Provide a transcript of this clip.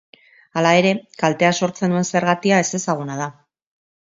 Hala ere, kaltea sortzen duen zergatia ezezaguna da.